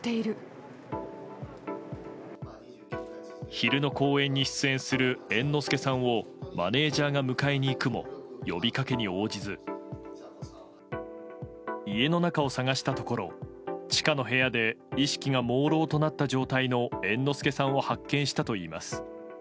昼の公演に出演する猿之助さんをマネジャーが迎えに行くも呼びかけに応じず家の中を探したところ地下の部屋で意識がもうろうとなった状態の猿之助さんを発見したといいます。